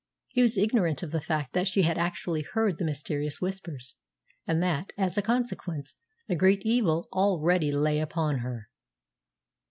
He was ignorant of the fact that she had actually heard the mysterious Whispers, and that, as a consequence, a great evil already lay upon her.